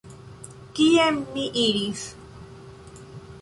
Kien mi iris?